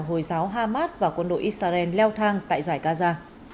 hồi giáo hamas và quân đội israel leo thang tại giải gaza